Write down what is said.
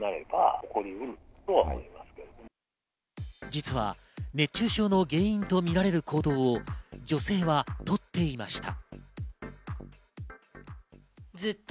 実は熱中症の原因とみられる行動を女性はとっていました。